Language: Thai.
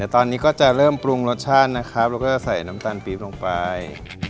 ตอนนี้ก็จะเริ่มปรุงรสชาตินะครับแล้วก็ใส่น้ำตาลปี๊บลงไป